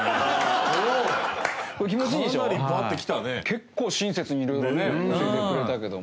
結構親切に色々ね教えてくれたけども。